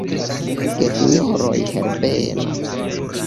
Gesinjoroj Herbeno!